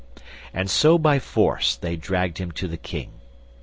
And so by force they dragged him to the King.